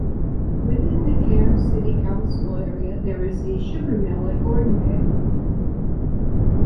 Within the Cairns City Council area there is a sugar mill at Gordonvale.